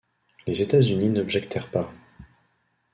Les États-Unis n'objectèrent pas.